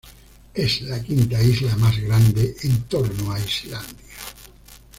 Es la quinta isla más grande en torno a Islandia.